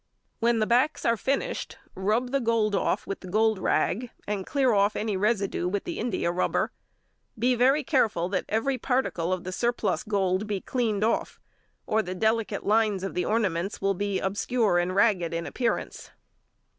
When the backs are finished, rub the gold off with the gold rag, and clear off any residue with the india rubber. Be very careful that every particle of the surplus gold be cleaned off, or the delicate lines of the ornaments will be obscure and ragged in appearance.